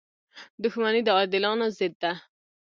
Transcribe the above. • دښمني د عادلانو ضد ده.